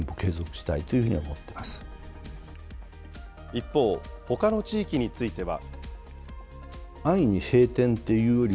一方、ほかの地域については。